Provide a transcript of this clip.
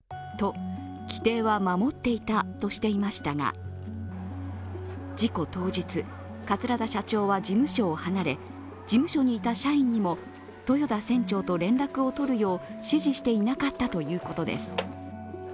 先月の会見では事故当日、桂田社長は事務所を離れ事務所にいた社員にも豊田船長と連絡を取るよう指示していなかったということです。